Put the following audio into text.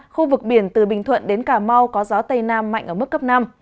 khu vực biển từ bình thuận đến cà mau có gió tây nam mạnh ở mức cấp năm